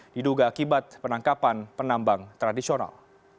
diduga akibat penangkapan penambang tradisional